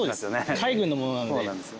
海軍のものなので。